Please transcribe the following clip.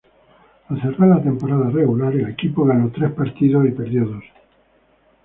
Al cerrar la temporada regular, el equipo ganó tres partidos y perdió dos.